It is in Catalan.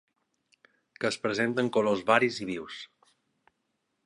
Que es presenta en colors varis i vius.